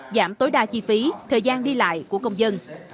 giảm tối đa chi phí thời gian đi lại của công dân